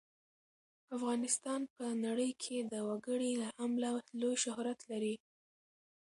افغانستان په نړۍ کې د وګړي له امله لوی شهرت لري.